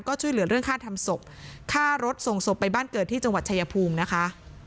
ก็ช่วยเหลือเรื่องค่าทำศพค่ารถส่งศพไปบ้านเกิดที่จังหวัดชายภูมินะคะ